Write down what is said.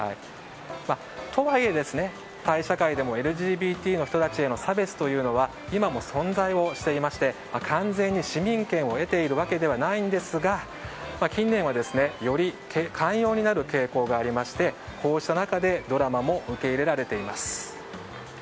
とはいえ、タイ社会でもＬＧＢＴの人たちへの差別は今も存在をしていまして完全に市民権を得ている訳ではないんですが近年は、より寛容になる傾向がありましてこうした中でドラマも受け入れられています。